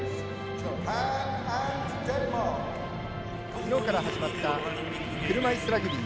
きょうから始まった車いすラグビー。